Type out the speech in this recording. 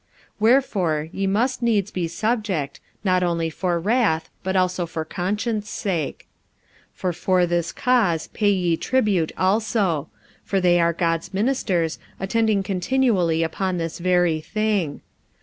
45:013:005 Wherefore ye must needs be subject, not only for wrath, but also for conscience sake. 45:013:006 For for this cause pay ye tribute also: for they are God's ministers, attending continually upon this very thing.